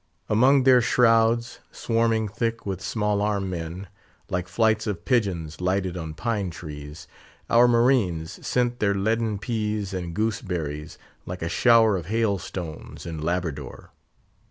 Among their shrouds—swarming thick with small arm men, like flights of pigeons lighted on pine trees—our marines sent their leaden pease and goose berries, like a shower of hail stones in Labrador.